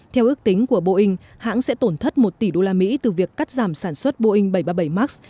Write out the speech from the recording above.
theo ước tính của boeing hãng sẽ tổn thất một tỷ đô la mỹ từ việc cắt giảm sản xuất boeing bảy trăm ba mươi bảy max